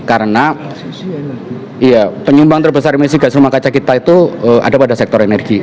karena penyumbang terbesar emisi gas rumah kaca kita itu ada pada sektor energi